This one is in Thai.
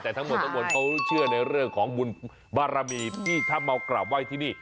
แต่ทั้งหมดทั้งหมดเขาเชื่อในเรื่องของบุญบารมีที่ถ้ามากราบไหว้ที่นี่